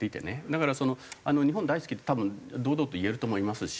だから「日本大好き」って多分堂々と言えると思いますし。